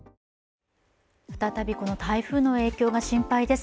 再び台風の影響が心配です。